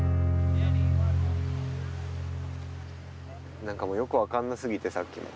なんかよく分かんなすぎてさっきも。